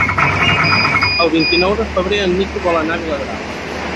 El vint-i-nou de febrer en Nico vol anar a Viladrau.